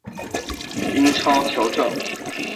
英超球证